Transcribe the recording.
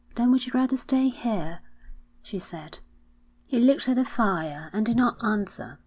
'Then would you rather stay here?' she said. He looked at the fire and did not answer.